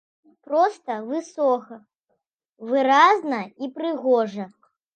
Проста, высока, выразна і прыгожа.